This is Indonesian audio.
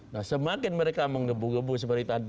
nah semakin mereka mengebu gebu seperti tadi